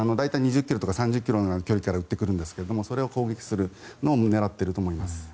大体２０ｋｍから３０ｋｍの距離から撃ってくるんですがそれを攻撃するのを狙ってると思います。